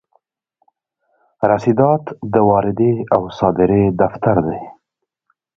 رسیدات د واردې او صادرې دفتر دی.